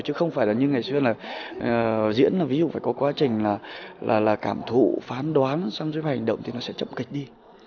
chứ không phải là như ngày xưa là diễn là ví dụ phải có quá trình là cảm thụ phán đoán xong rồi hành động thì nó sẽ chậm kịch đi